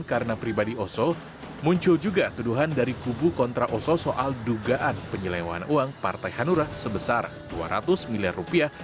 karena pribadi oso muncul juga tuduhan dari kubu kontra oso soal dugaan penyelewan uang partai hanura sebesar dua ratus miliar rupiah